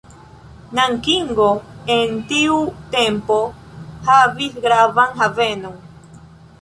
Nankingo en tiu tempo havis gravan havenon.